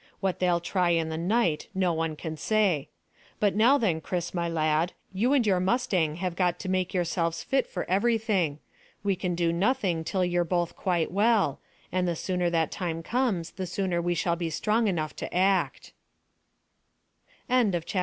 What they'll try in the night no one can say. But now then, Chris, my lad, you and your mustang have got to make yourselves fit for everything. We can do nothing till you're both quite well, and the sooner that time comes the sooner we shall be strong enough to act." CHAPTER FORTY NINE.